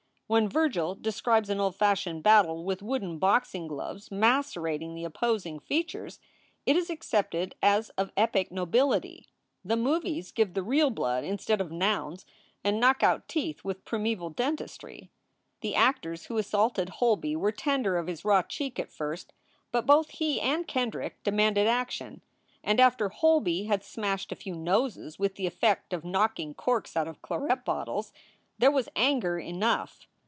When Vergil describes an old fashioned battle with wooden boxing gloves macerating the opposing features, it is accepted as of epic nobility. The movies give the real blood instead of nouns and knock out teeth with primeval dentistry. The actors who assaulted Holby were tender of his raw cheek at first, but both he and Kendrick demanded action, and after Holby had smashed a few noses with the effect of knocking corks out of claret bottles, there was anger enough.